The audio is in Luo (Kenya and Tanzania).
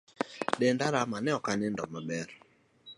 Denda rama ne ok anindo maber